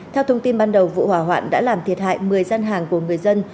theo thông tin ban đầu vụ hỏa hoạn đã làm thiệt hại một mươi gian hàng của người dân